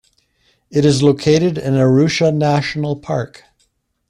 It is located in Arusha National Park.